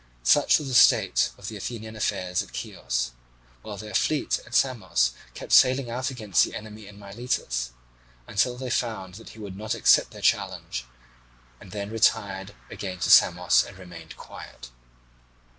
Such was the state of the Athenian affairs at Chios; while their fleet at Samos kept sailing out against the enemy in Miletus, until they found that he would not accept their challenge, and then retired again to Samos and remained quiet.